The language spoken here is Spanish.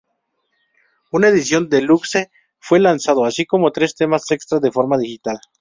Una edición deluxe fue lanzado, así como tres temas extra, de forma digital.